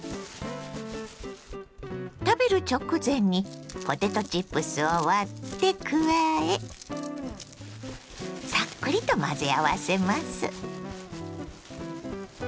食べる直前にポテトチップスを割って加えサックリと混ぜ合わせます。